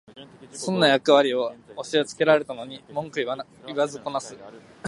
損な役割を押しつけられたのに文句言わずこなす